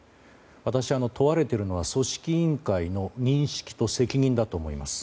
私、問われているのは組織委員会の認識と責任だと思います。